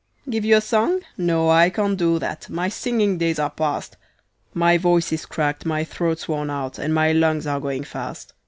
Give you a song? No, I can't do that; my singing days are past; My voice is cracked, my throat's worn out, and my lungs are going fast.